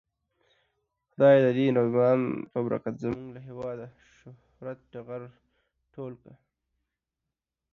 خدايه د دې رمضان په برکت زمونږ له هيواده د شهرت ټغر ټول کړې.